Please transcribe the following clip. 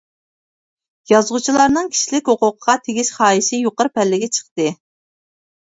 يازغۇچىلارنىڭ كىشىلىك ھوقۇقىغا تېگىش خاھىشى يۇقىرى پەللىگە چىقتى.